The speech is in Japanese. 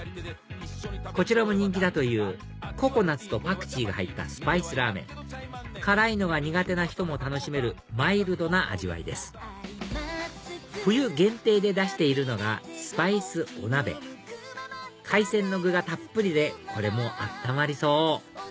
こちらも人気だというココナツとパクチーが入ったスパイスラーメン辛いのが苦手な人も楽しめるマイルドな味わいです冬限定で出しているのがスパイスお鍋海鮮の具がたっぷりでこれも温まりそう！